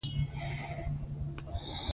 لینکډین